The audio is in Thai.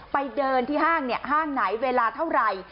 ไปเดินที่ห้างห้างไหนเวลาเท่าไหร่